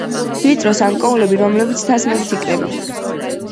ვიწრო სამკლაურები, რომელიც თასმებით იკვრება.